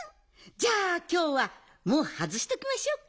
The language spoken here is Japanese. じゃあきょうはもうはずしときましょうか。